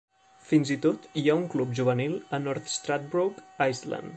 Fins i tot hi ha un club juvenil a North Stradbroke Island.